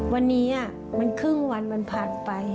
วันนี้มันครึ่งวันมันผ่านไป